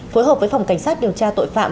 phối hợp với phòng cảnh sát điều tra tội phạm